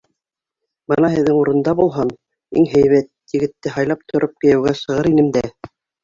Бына һеҙҙең урында булһам, иң һәйбәт егетте һайлап тороп кейәүгә сығыр инем дә...